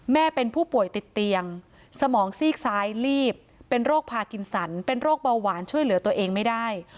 เป็นผู้ป่วยติดเตียงสมองซีกซ้ายลีบเป็นโรคพากินสันเป็นโรคเบาหวานช่วยเหลือตัวเองไม่ได้